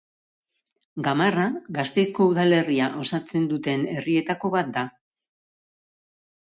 Gamarra Gasteizko udalerria osatzen duten herrietako bat da.